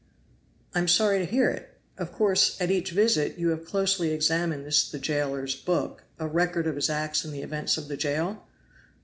"I am sorry to hear it. Of course, at each visit, you have closely examined this the jailer's book, a record of his acts and the events of the jail?"